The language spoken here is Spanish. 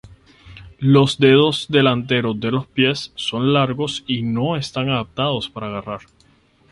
Los dedos delanteros de los pies son largos y no están adaptados a agarrar.